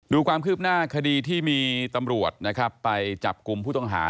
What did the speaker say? ดูความคืบหน้าคดีที่มีตำรวจนะครับไปจับกลุ่มผู้ต้องหา